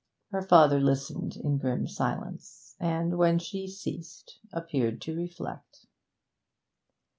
Her father listened in grim silence, and, when she ceased, appeared to reflect.